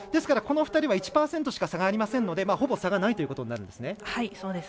この２人は１％しか差がありませんのでほぼ差がないということになるんですね。